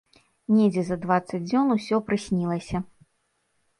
Недзе за дваццаць дзён усё прыснілася.